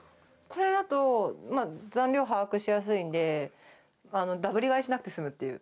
これだと残量を把握しやすいんで、ダブリ買いしなくて済むっていう。